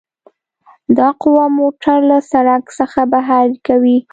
دا قوه موټر له سرک څخه بهر کوي